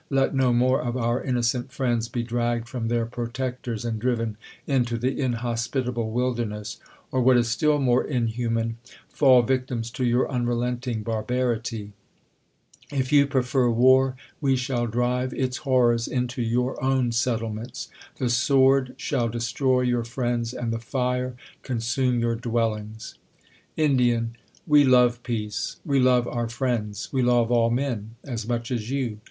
Let no more of our inno cent friends be dragged from their protectors, and driven into the intiospitablc wilderness ; or what is still more inhuman, full victims to your unrelenting barbarity ! i f you prefer war, we shall drive its horrors into your own 272 THE COLUMBIAN ORATOR. own settlements. The sword shall destroy your friends, and the nre consume your dwellings. Ind. We love peace ; we love our friends ; we love ail men, as much as you.